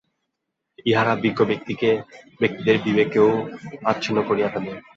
ইহারা বিজ্ঞ ব্যক্তিদের বিবেকও আচ্ছন্ন করিয়া ফেলে।